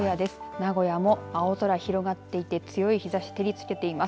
名古屋も青空が広がっていて強い日ざしが照りつけています。